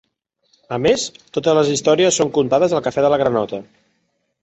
A més, totes les històries són contades al cafè de la granota.